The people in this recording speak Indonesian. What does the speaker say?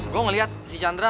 gue ngeliat si chandra